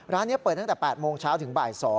นี้เปิดตั้งแต่๘โมงเช้าถึงบ่าย๒